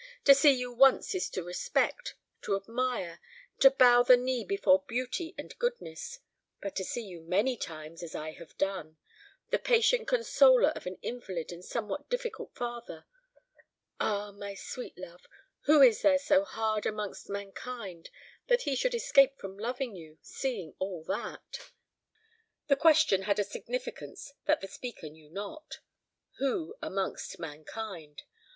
To see you once is to respect, to admire, to bow the knee before beauty and goodness; but to see you many times, as I have done, the patient consoler of an invalid and somewhat difficult father ah, my sweet love, who is there so hard amongst mankind that he should escape from loving you, seeing all that?" The question had a significance that the speaker knew not. Who amongst mankind?